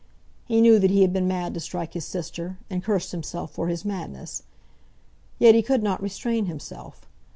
He knew that he had been mad to strike his sister, and cursed himself for his madness. Yet he could not restrain himself.